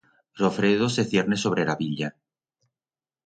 Ro fredo se cierne sobre ra villa.